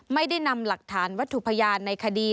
ไม่ได้นำหลักฐานวัตถุพยานในคดี